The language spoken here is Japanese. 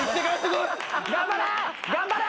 頑張れ！